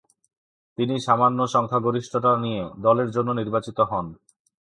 তিনি সামান্য সংখ্যাগরিষ্ঠতা নিয়ে দলের জন্য নির্বাচিত হন।